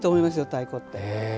太鼓って。